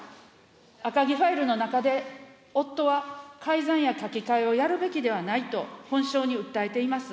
赤木ファイルの中で夫は改ざんや書き換えをやるべきではないと、本省に訴えています。